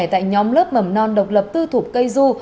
tại nhóm lớp mầm non độc lập tư thục cây du